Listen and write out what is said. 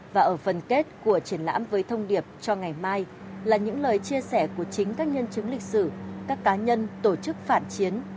và ở phần kết của triển lãm với thông điệp cho ngày mai là những lời chia sẻ của chính các nhân chứng lịch sử các cá nhân tổ chức phản chiến